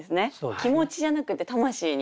気持ちじゃなくて魂に。